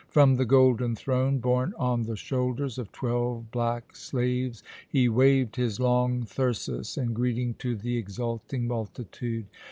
From the golden throne borne on the shoulders of twelve black slaves he waved his long thyrsus in greeting to the exulting multitude.